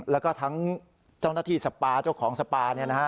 แล้วก็ทั้งเจ้าหน้าที่สปาเจ้าของสปา